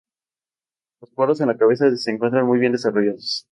Los poros de la cabeza se encuentran muy bien desarrollados.